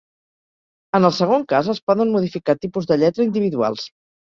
En el segon cas, es poden modificar tipus de lletra individuals.